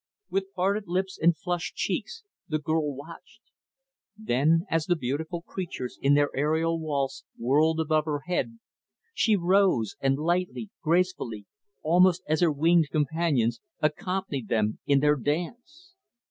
With parted lips and flushed cheeks, the girl watched. Then as the beautiful creatures, in their aerial waltz, whirled above her head she rose, and lightly, gracefully, almost as her winged companions, accompanied them in their dance.